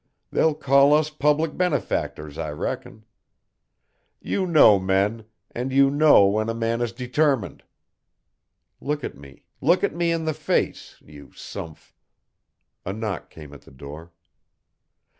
They'll call us public benefactors, I reckon. You know men, and you know when a man is determined. Look at me, look at me in the face, you sumph " A knock came to the door.